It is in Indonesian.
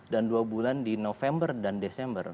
dan dua bulan di november dan desember